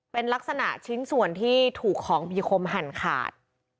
เป็นลักษณะชิ้นส่วนที่ถูกของมีคมหั่นขาด